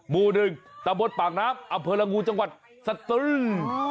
มูดึงตะบดปากน้ำอำเภอละงูจังหวัดสะตึล